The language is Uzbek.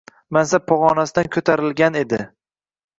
Mansab pog’onasidan ko’tarilgan edi